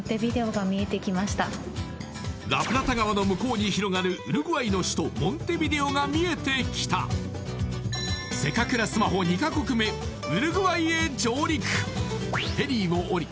ラプラタ川の向こうに広がるウルグアイの首都モンテビデオが見えてきたせかくらスマホフェリーを降り